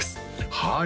はい